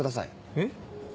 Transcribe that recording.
えっ？